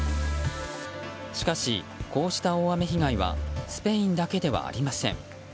しかし、こうした大雨被害はスペインだけではありません。